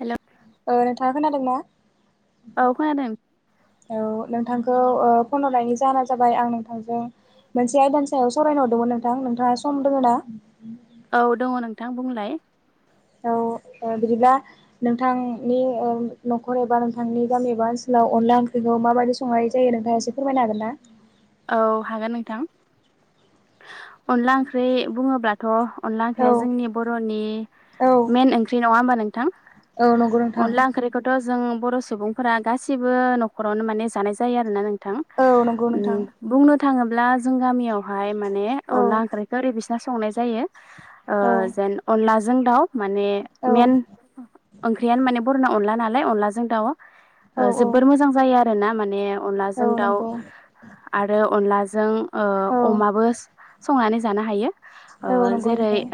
हेल' ओ नोंथाङा खोनादों ना औ खोनादों औ नोंथांखौ ओ फन' हरनायनि जाहोना जाबाय आं नोंथांजों मोनसे आयदानि सायाव सावरायनो हरदोंमोन नोंथां नोंथाङा सम दङ ना औ दङ नोंथां बुंलाय औ ओ बिदिब्ला नोंथांनि न'खर एबा नोंथांनि गामि एबा ओनसोलाव औ अनला ओंख्रिखौ माबायदि संनाय जायो नोंथाङा एसे फोरमायनो हागोन ना औ हागोन नोंथां अनला ओंख्रि बुङोब्लाथ' अनला औ ओंख्रिया जोंनि बर'नि औ मेन ओंख्रि नङा होमबा नोंथां औ नंगौ नोंथां अनला ओंख्रिखौथ' जों बर' सुबुंफोरा गासिबो न'खरावनो माने जानाय जायो आरोना नों औ नंगौ नोंथां बुंनो थाङोब्ला जों गामियावहाय माने औ अनला ओंख्रिखौ ओरै बिसा संनाय जायो ओ औ जेन अनलाजों दाउ माने औ मेन ओंख्रियानो माने बर'ना अनला नालाय अनलाजों दाउ औ ओ औ जोबोर मोजां जायो आरो ना माने औ अनलाजों दाउ नंगौ आरो अनलाजों ओ औ अमाबो संनानै जानो हायो ओ औ नंगौ जेरै नोंथां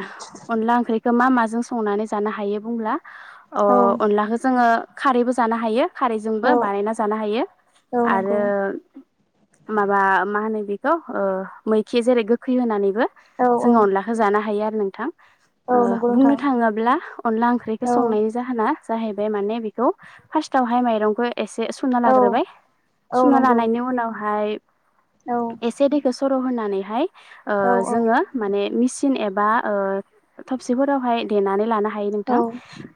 अनला ओंख्रिखौ मा माजों संनानै जानो हायो बुंब्ला ओ औ अनलाखौ जोङो खारैबो जानो हायो खारैजोंबो औ बानायना जानो हायो औ आरो नंगौ माबा मा होनो बेखौ ओ मैखि जेरै गोखै होनानैबो औ औ जोङो अनलाखौ जानो हायो आरो नोंथां ओ औ नंगौ बुंनो नोंथां थाङोब्ला अनला ओंख्रिखौ औ संनायनि जाहोना जाहैबाय माने बेखौ फार्स्टावहाय माइरंखौ एसे सुना औ लाग्रोबाय औ सुना नंगौ लानायनि उनावहाय औ एसे दैखौ सर' होनानैहाय ओ औ जोङो माने मेसिन एबा हो थबसिफोरावहाय देनानै लाना हायो औ नोंथां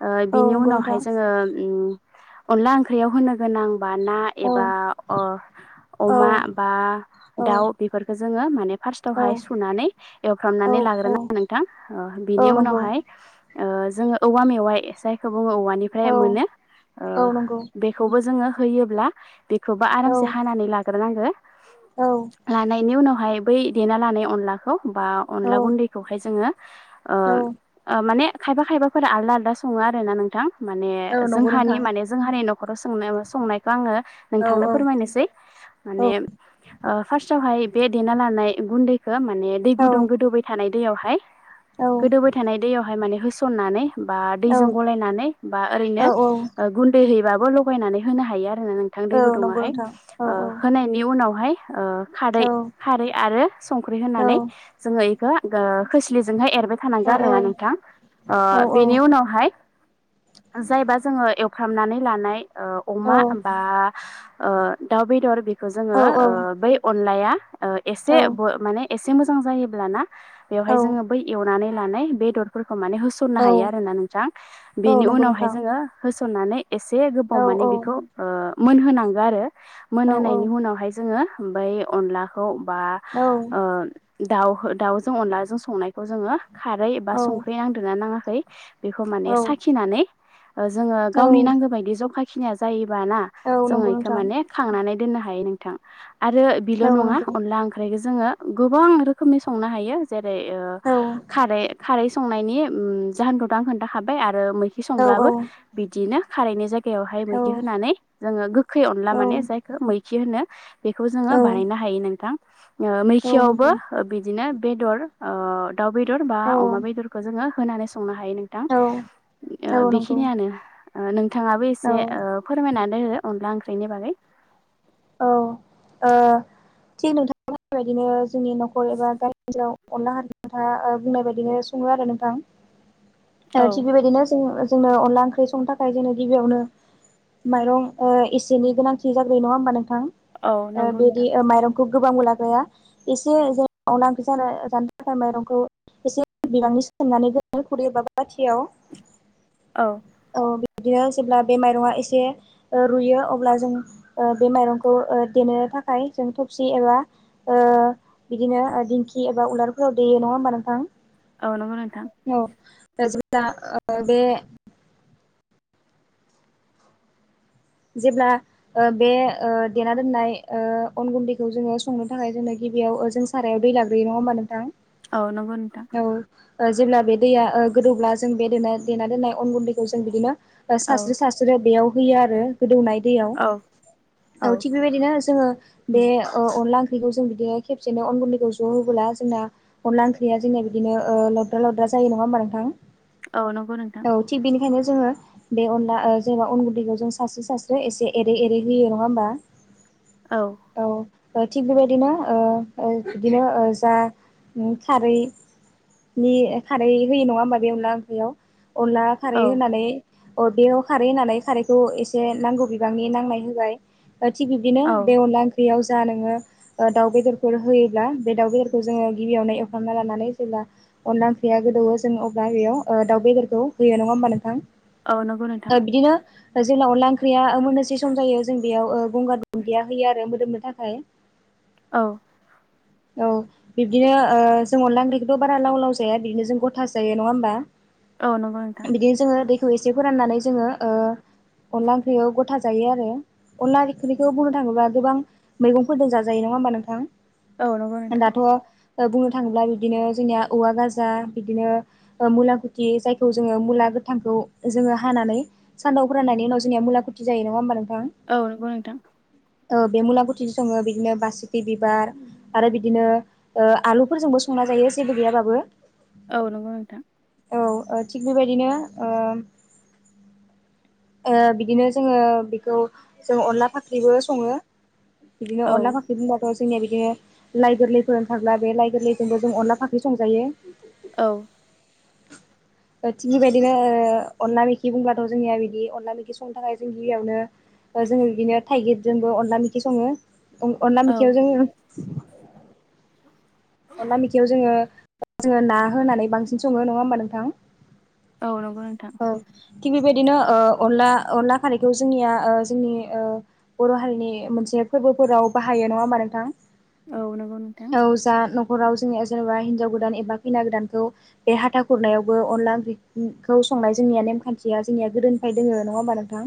ओ औ बिनि नंगौ उनावहाय नोंथां जोङो उम अनला ओंख्रियाव होनो गोनां बा ना औ एबा अ औ अमा बा औ दाउ बेफोरखौ जोङो माने फार्स्टावहाय औ सुनानै औ एवफ्रामनानै औ लाग्रो नांगौ नोंथां औ बिनि नंगौ उनावहाय ओ जोङो औवा मेवाय जायखौ बुङो औ औवानिफ्राय मोनो ओ औ नंगौ बेखौबो जोङो होयोब्ला बेखौबो औ आरामसे हानानै लाग्रोनांगो औ लानायनि उनाव ओमफाय बै देना लानाय अनलाखौ बा औ अनला गुन्दैखौहाय जोङो ओ औ माने खायफा खायफाफोरा आलदा आलदा सङो आरो ना नोंथां माने औ नंगौ जोंहानि नोंथां माने जोंहारे न'खराव संनाय संनायखो आङो औ नोंथांनो औ फोरमायनोसै औ माने ओ फार्टावहाय बे देना लानाय गुन्दै खो माने दै औ गुदुं गोदौबाय थानाय दैयावहाय औ गोदौबाय थानाय दैयावहाय माने होसननानै बा दैजों गलायनानै बा औ ओरैनो ओ गुन्दैहै बाबो लगायनानै होनो हायो आरो ओ नोंथां औ नंगौ दैगुदुंवहाय नोंथां औ ओ होनाय नुय उनावहाय ओ खारै औ खारै आरो संख्रै होननानै जोङो खो गो खोस्लिजोंहाय एरबाय औ थानांगो आरोना नोंथां ओ औ बेनि उनावहाय जायबा जोङो एवफ्रामनानै लानाय ओ अमा बा ओ दाउ बेदर बेखौ औ जोङो बै अनलाया ओ एसे औ ब माने एसे मोजां जायोब्लाना औ बेवहाय जोङो बै एवनानै लानाय बेदरफोरख माने होसननो हायो औ नंगौ आरोना नोंथां नोंथां औ बेनि उनावहाय जोङो होसननानै एसे गोबाव औ माने औ बेखौ ओ मोनहोनांगो आरो मोनहोनायनि उनावहाय जोङो बै अनलाखौ बा औ ओ दाउ दाउजों अनलाजों संनायखौ जोङो खारै एबा औ औ संख्रै नांदना नाङाखै बेखौ औ माने साखिनानै ओ जोङो गावनि नांगो बायदि जखाखिनिया जायो बाना औ जों नंगौ इखो नोंथां माने खांनानै दोननो हायो नोंथां। आरो बिल' औ नङा नंगौ अनला ओंख्रैखो जोङो गोबां रोखोमनि संनो हायो जे जेरै ओ औ खारै खारै संनायनि उम जाहोनखौथ' आं खोनथाखाबाय आर रो मैखि औ औ संब्लाबो बिदिनो खारैनि जाय गायावहाय औ मैखि होनानै जोङो गोखै अनला औ माने जायखो मैखि होनो। बेखौ जोङो औ बाहायनो हायो नोंथां। ओ औ मैखियावबो नंगौ ओ बिदिनो बेदर ओ दाउ बेदर बा औ अमा बेदरखो जोङो। होनानै संनो हायो नोंथां औ ओ नंगौ बेखिनियानो नों थाङाबो औ एसे ओ फोरमायनानै हो अनला ओंख्रिनि बागै औ ओ थिग नोंथां बेफोर बायदिनो जोंनि न'खर एबा गामि ओनसोलाव अनला [unintelligible] बुंनाय बायदिनो सङो आरो नोंथां ओ औ थिग बेबायदिनो जों जोंनो अनला ओंख्रि संनो थाखाय जोंनो गिबियावनो माइरं ओ एसेनि गोनांथि जाग्रोयो नङा होमबा नोंथां औ ओ नंगौ बिदि नोंथां ओ माइरं गोब गोबांबो लाग्राया एसे जों ओंख्रि जानो थाखाय माइरंखौ एसे बिबां नि सोमनानै दोनो खुरै एबा बाथियाव औ औ बिदिनो जेब्ला बे माइरंङा एसे ओ रुयो अब्ला जों ओ बे माइरंख खौ ओ देनो थाखाय जों थबसि एबा ओ बिदिनो ओ दिंखि एबा उलारफोर खौ देयो नङा होमबा नोंथां औ नंगौ नोंथां दा [unintelligible] ओ बे जेब्ला ओ बे ओ देना दोननाय ओ अन गुन्दैखौ जोङो संनो थाखाय जोंनो गि गिबियाव ओ सारायाव दै लाग्रोयो नङा होमबा नोंथां औ नंगौ नोंथां ओ जेब्ला बे दैया ओ गोदौब्ला जों बे दे देना दोननाय अन गुन्दैखौ जों बिदिनो ओ औ सास्रो सास्रो बेयाव होयो आरो नाय दैयाव औ औ थिग बेबादिनो जोङो बे अ अनला ओंख्रिखौ जों बिदिनो खेबसेनो अन गुन्दैखौ ज' होबोला जोंना अनला ओंख्रिया जोंना ओ बिदिनो लद्रा लद्रा जायो नङा होमबा नोंथां औ नंगौ नोंथां औ थिग बेनिखायनो जोङो बे अनला ओ जेनबा अन गुन्दैखौ जोंस सास्रो सास्रो एसे एरै एरै होयो नङा होमबा औ ओ थिग बेबायदिनो ओ ओ बिदिनो ओ जा उम खारै नि खारै होयो नङा होमबा बे अनला ओंख्रैयाव अनला खारै औ होनानै अ बेयाव खारै होनानै खारैखौ एस जेनांगौ बिबांनि नांनाय होबाय थिग बिब्दिनो औ बे अनला ओंख्रियाव जा नोङो ओ दाउ बेदरफोर होयोब्ला बे दाउ बेदरखौ जोङो गिबियावनो एवखांना लानानै जेब्ला अनला ओंख्रिया गोदौ जोंङो अब्ला बेयाव ओ दाउ बेदरखौ होयो नङा होनबा नोंथां अ नोंगौ नोंथां ओ बिदिनो जेब्ला अनला ओंख्रिया ओ मोननोसै सम जायो ओ जों बेयाव गंगार दुन्दिया होयो आरो मोदोमनो थाखाय औ [unintelligible] औ बिब्दिनो जों ओ अनला ओंख्रिखौथ' बारा लाव लाव जाया बिदिनो जों गथासो जायो नङा होमबा। औ नोंगौ नोंथां थ इसे फोराननानै जोङो ओ। अनला ओंख्रियाव गथा जायो आरो अनला ओंख्रिखौ बुंनो थाङोब्ला गोबां मैगंफोरजों जाजायो नङा नङा होमबा नोंथां। औ नोंगौ नोंथां। ओ बुंनो थाङोब्ला बिदिनो जोंनिया औवा गाजा बिदिनो ओ मुलाखुथि जायखौ जोङो मुला गोथांखौ जोङो हानानै सान्दंआव फोराननायनि उनाव जोंनिया मुलाखुथि जायो नङा होमबा नों औ नंगौ नोंथां ओ बे मुलागुथिजों सङो बिदिनो बासिखि बिबार आरो बिदिनो ओ आलुफोरजोंबो संना जायो जेबो गैयाबाबो औ नंगौ नोंथां औ ओ थिग बेबायदिनो ओ ओ बिदिनो जोङो बेखौ जों अनला फाख्रिबो सङो बिदिनो औ अला फाख्रि बुंबाथ' जोंनिया बिदिनो लाइ गोरलैफोर थाब्ला बे लाइ गोरलैजोंबो जों अनला फाख्रि संजायो औ ओ थिग बेबायदिनो ओ अनला मैखि बुंब्लाथ' जोंनिया बि अनला मैखि संनो थाखाय जों गिबियावनो ओ जोङो बिदिनो थाइगिरजोंबो अनला मैखि सङो अनल औ मैखियाव जोङो अनला मेखियाव जोङो जोङो ना होनानै बांसिन सङो नङा होमबा नोंथां औ नंगौ नोंथां औ थिग बेबायदिनो ओ अनला अनला खारैखौ जोंनिया ओ जोंनि ओ बर' हारिनि मोनसे जे फोरबोफोराव बाहायो नङा होमबा नोंथां औ नंगौ नोंथां हराव जोंनिया जेनेबा हिनजाव गोदान एबा खैना गोदानखौ बे हाथा खुरनायावबो अनला ओंख्रैखौ संनाय जोंनिया नेमखान्थिया जोंनिया गोदोनिफ्राय दोङो नङा होमबा नोंथां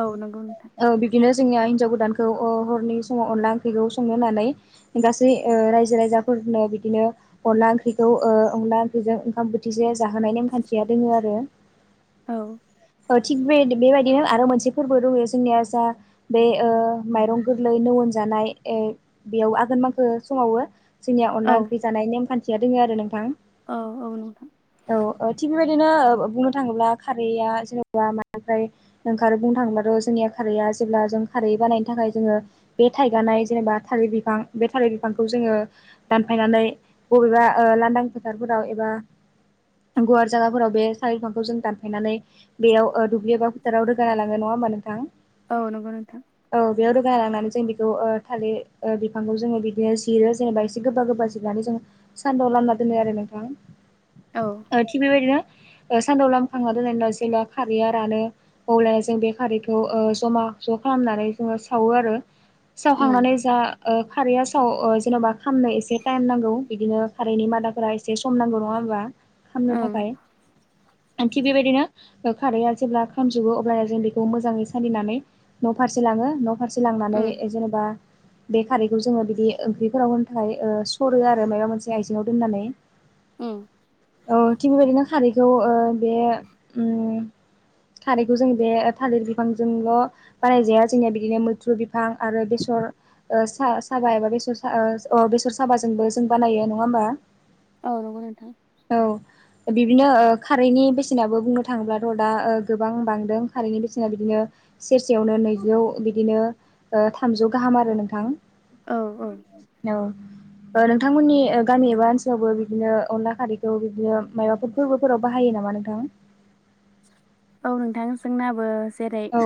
औ नंगौ नोंथां औ बिब्दिनो जोंनिया हिनजाव गोदानखौ ओ हरनि समाव अनला ओंख्रिखौ संनो होननानै गासै ओ रायजो राजाफोर नो बिदिनो अनला ओंख्रिखौ ओ अनला ओंख्रिजों ओंखाम बोथिसे जाहोनाय नेमखान्थिया दोङो आरो [unintelligible] औ थिग बे बेबायदिनो आरो मोनसे फोरबो दङो जोंनिया जा बे ओ माइरं गोरलै नौवोन जानाय‌ ओ बेयाव आघोन माखो समावबो जोंनिया औ अनला ओंख्रि जानाय नेमखान्थि खान्थिया दङो आरो नोंथां औ औ नोंथां औ ओ थिग बेबायदिनो ओ बुंनो थाङोब्ला खारैया जेनेबा मानिफ्राय ओंखारो बुंनो थाङोबाथ' जोंनिया खारै खारैया जेब्ला जों खारै बानायनो थाखाय जोङो बे थाइगानाय जेनेबा थालिर बिफां बे थालिर बिफांखौ जोङो दानफायनानै बबेबा ओ लानदां फोथारफोराव एबा गुवार जायगाफोराव बे साल बिफांखौ जों दानफायनानै बेयाव ओ दुब्लि एबा फोथाराव रोगाना लांगोन नङा होमबा नोंथां औ नंगौ नोंथां औ बेयाव रोगाना लांनानै बेखौ ओ थालिर ओ बिफांखौ जोङो बिदिनो जिरो जेनेबा गोबा गोबा जोबनानै जों सान्दुंआव लामना दोनो आरो नोंथां औ ओ थिग बेबायदिनो ओ सान्दुङाव लामखांना दोननायनि उनाव जेब्ला खारैया रानो अब्ला जों बे खारैखौ ओ जमा ज' खालामनानै जोङो सावो आरो उम सावखांनानै जा ओ खारैया साव ओ जेन'बा खामनो एसे टाइम नांगौ बिदिनो खारैनि मादाफोरा एसे सम नांगौ नङा होमबा खामनो ओं थाखाय थिग बेबायदिनो खारैआ जेब्ला खामजोबो अब्ला जों बेखौ मोजाङै सालिनानै न' फारसे लाङो न' फारसे लांनानै उम जेनेबा बे खारैखौ जोङो बिदि ओंख्रिफोराव हो थाखाय सरो आरो माबा मोनसे आइजेङाव दोननानै उम औ थिग बेबायदिनो खारैखौ ओ बे उम खारैखौ जों बे थालिर बिफांजोंल' बानायजाया जोंनिया बिदिनो मैथ्रु बिफां आरो बेसर र ओ सा-साबा एबा बेसर सा ओ अ बेसर साबाजोंबो जों बानायो नङा होमबा औ नंगौ नोंथां औ बिदिनो ओ खारैनि बेसेनाबो बुंनो थाङोब्लाथ' दा ओ गोबां बांदों खारैनि बेसेना बिदिनो। सेरसेयावनो नैजौ बिदिनो ओ थामजौ गाहाम आरो नोंथां। औ औ। औ। ओ नोंथांमोननि गामि एबा ओनसोलावबो बिदिनो अनला खारैखौ बिदिनो माबाफोर फोरबोफोराव बाहायो नाम नामा नोंथां? औ नोंथां जोंनाबो। जेरै औ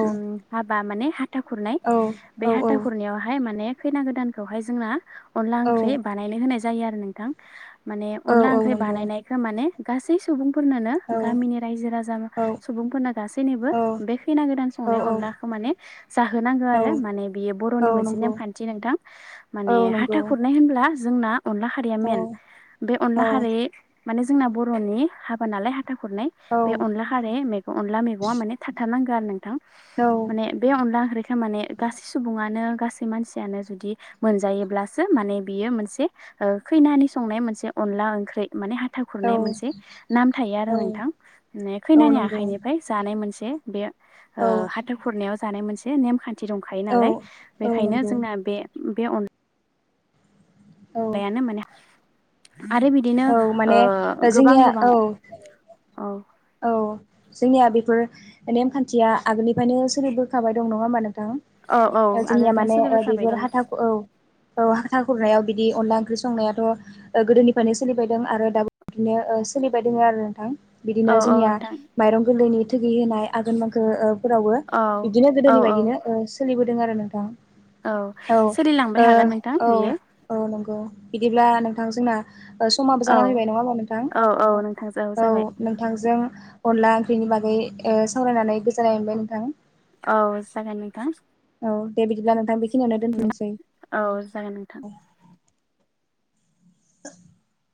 हाबा माने हाथा खुरनाय औ बे औ हाथा खुरनायावहाय माने खैना गोदानखौहाय जोंना अनला औ ओंख्रि बानायनो होनाय जायो आरो नोंथां। माने औ अनला औ ओंख्रि नंगौ बानायनायखो माने गासै सुबुंफोरनोनो औ गामिनि रायजो राजानो औ सुबुंफोरनो गासैनिबो औ बे खैना गोदान संनायाव औ अनलाखो माने जाहोनांगो औ आरो माने बियो बर र'नि मोनसे नंगौ नेमखान्थि नोंथां औ माने हाथा नंगौ खुरनाय होमब्ला जोंना अनला हारिया औ मेन बे औ अनला खारि माने जोंना बर'नि हाबा नालाय हाथा खुरनाय औ बे अनला खार रे मेगं अनला मेगना माने थाथारनांगो आरो नोंथां माने औ बे अनला ओं माने गासै सुबुङानो गासै मानसियानो जुदि मोनजायोब्लासो माने बियो मोनसे ओ खैनानि संनाय मोनसे अनला ओंख्रै माने हाथा खुरनाय मोनसे नाम थायो आरो औ नोंथां औ खैनानि नंगौ आखाइनिफ्राय जानाय मोनसे बे ओ औ हाथा खुरनायाव जानाय मोनसे नेम खान थि दंखायो औ नालाय औ बेखायनो नंगौ जोंना बे बे अन औ लायानो माने आरो बिदिनो औ ओ माने गोबां जोंनिया गोबां औ। औ औ जोंनिया बेफोर नेमखान्थिया आगोलनिफ्रायनो सोलिबोखाबाय दं नङा होमबा नों थां औ औ जोंनिया आगोलनिफ्राय माने ओ सोलिबोखाबाय बेफोर दं हाथा औ औ हाथा खुरनायाव बिदि अनला ओंख्रि संनायाथ'ओ गोदोनिफ्रायनो सोलिबायदों आरो दाबो बिदिनो ओ सोलिबाय दङ आरो नोंथां। औ बिदिनो औ जोंनिया नोंथां माइरं गोरलैनि थोगि होनाय आघोन मांखो फोरावबो औ बिदिनो औ गोदोनि औ बायदिनो ओ सोलिबोदों आरो नोंथां औ सोलिलांबाय ओ हागोन नोंथां औ बियो औ नंगौ बिदिब्ला नोंथां जोंना ओ समाबो औ जाना फैबाय नङा होमब्ला नोंथां औ औ नोंथांजों जाबाय औ। नोंथांजों अनला ओंख्रिनि बागै ओ सावरायनानै गोजोननाय मोनबाय नोंथां। औ जागोन नोंथां औ दे बिदिब्ला नोंथां बेखिनियावनो दोनथ'सै। औ जागोन नोंथां [inaudible]